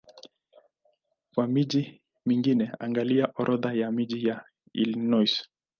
Kwa miji mingine angalia Orodha ya miji ya Illinois.